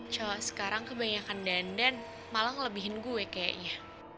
cowok sekarang kebanyakan dandan malah ngelebihin gue kayaknya